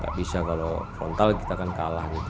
gak bisa kalau frontal kita kan kalah gitu